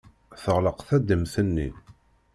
Teɣleq tadimt-nni.